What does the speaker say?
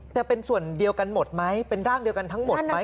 แต่เป็นส่วนเดียวกันหมดไหมเป็นร่างเดียวกันทั้งหมดไหม